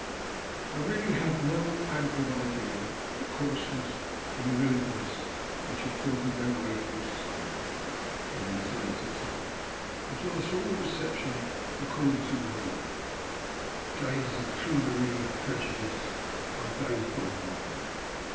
"I really had no adequate idea of the coarseness and rudeness which have filtered their way through society in these later times until I saw the reception accorded to my wife. The days of prudery and prejudice are days gone by.